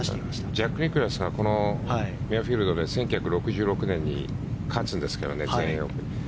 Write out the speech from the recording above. ジャック・ニクラウスはこのミュアフィールドで１９６６年に勝つんですけどね全英オープン。